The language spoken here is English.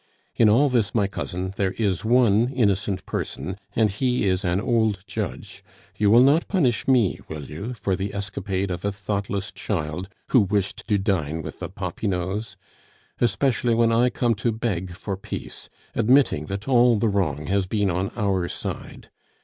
In all this, my cousin, there is one innocent person, and he is an old judge; you will not punish me, will you, for the escapade of a thoughtless child who wished to dine with the Popinots? especially when I come to beg for peace, admitting that all the wrong has been on our side?...